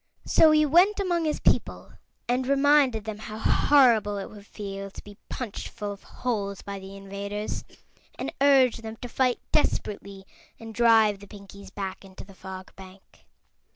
So he went among his people and reminded them how horrible it would feel to be punched full of holes by the invaders, and urged them to fight desperately and drive the Pinkies back into the Fog Bank.